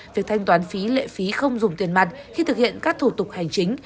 việc thanh toán phí lệ phí không dùng tiền mặt khi thực hiện các thủ tục hành chính